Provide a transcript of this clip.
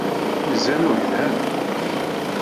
Izen awgelhan.